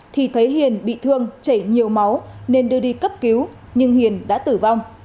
thì thấy hiền bị thương chảy nhiều máu nên đưa đi cấp cứu nhưng hiền đã tử vong